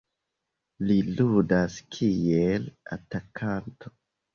Li ludas kiel atakanto.